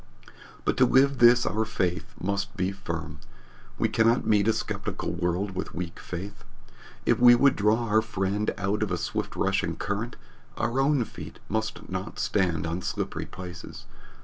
But to live this our faith must be firm. We cannot meet a skeptical world with weak faith. If we would draw our friend out of a swift rushing current, our own feet must not stand on slippery places.